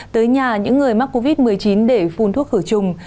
tới nhà những người mắc covid một mươi chín để phun thuốc khử trùng